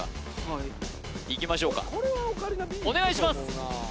はいいきましょうかお願いします